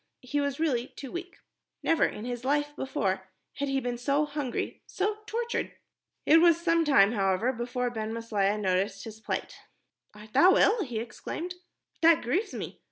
He was really too weak. Never in his life before had he been so hungry, so tortured. It was some time, however, before Ben Maslia noticed his plight. "Art thou ill?" he exclaimed. "That grieves me.